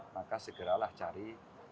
maka segeralah cari